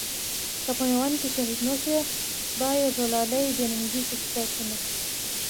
که په ميوند کې شهيد نه شوې، خدایږو لاليه بې ننګۍ ته دې ساتينه